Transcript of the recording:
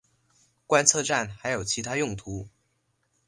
观测站还有其它用途。